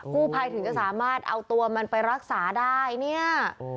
กู้ไพถึงจะสามารถเอาตัวมันไปรักษาได้